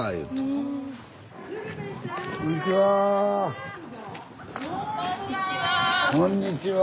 こんにちは。